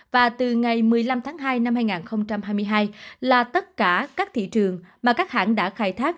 và từ ngày một mươi năm tháng hai năm hai nghìn hai mươi hai là tất cả các thị trường mà các hãng đã khai thác